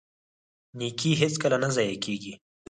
نیکي هیڅکله نه ضایع کیږي.